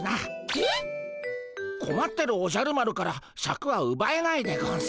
ピ？こまってるおじゃる丸からシャクはうばえないでゴンス。